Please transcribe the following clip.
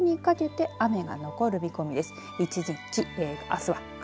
午後にかけて雨が残る見込みです。